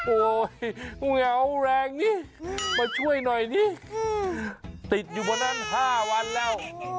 โอ้โหเหงาแรงนี่มาช่วยหน่อยนี่ติดอยู่บนนั้น๕วันแล้ว